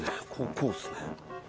こうっすね。